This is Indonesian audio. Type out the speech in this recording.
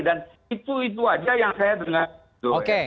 dan itu itu saja yang saya dengar